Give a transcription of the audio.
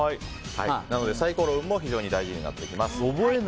なので、サイコロ運も非常に大事になります。